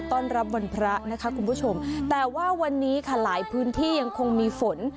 ต้อนรับวันพระนะคะคุณผู้ชมแต่ว่าวันนี้ค่ะหลายพื้นที่ยังคงมีฝน